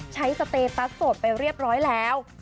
สเตตัสโสดไปเรียบร้อยแล้ว